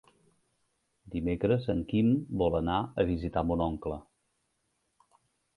Dimecres en Quim vol anar a visitar mon oncle.